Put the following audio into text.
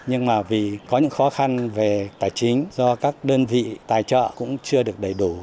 nhưng mà vì có những khó khăn về tài chính do các đơn vị tài trợ cũng chưa được đầy đủ